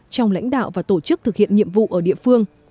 trong lãnh đạo và tổ chức thực hiện nhiệm vụ ở địa phương